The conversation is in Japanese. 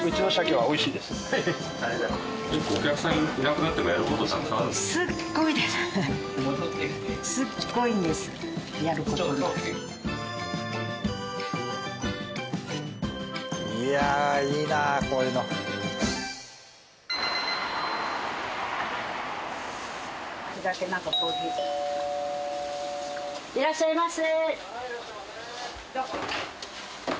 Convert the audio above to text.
はいいらっしゃいませ。